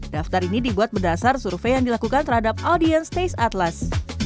daftar ini dibuat berdasar survei yang dilakukan terhadap audiens taste atlas